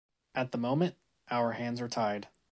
At the moment, our hands are tied.